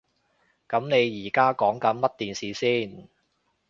噉你而家講緊乜電視先？